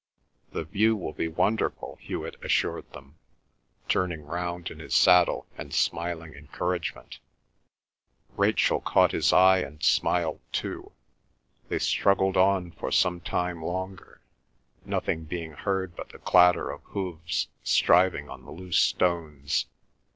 "The view will be wonderful," Hewet assured them, turning round in his saddle and smiling encouragement. Rachel caught his eye and smiled too. They struggled on for some time longer, nothing being heard but the clatter of hooves striving on the loose stones.